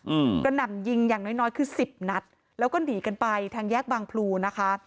อืมกระหน่ำยิงอย่างน้อยน้อยคือสิบนัดแล้วก็หนีกันไปทางแยกบางพลูนะคะ